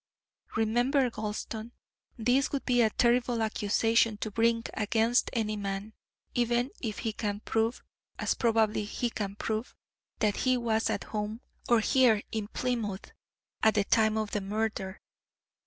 Remember, Gulston, this would be a terrible accusation to bring against any man, even if he can prove as probably he can prove that he was at home, or here in Plymouth, at the time of the murder.